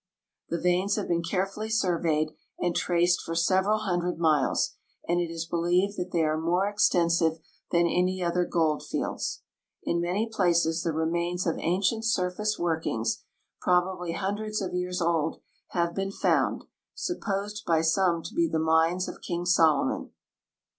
The veins have been carefully surveyed and traced for several hundred miles, and it is believed that they are more extensive than any other gold fields. In many places the re 166 AFRICA SINCE 1888 mains of ancient surface workings, probably hundreds of years old, have been found, supposed by some to be the mines of King Solomon.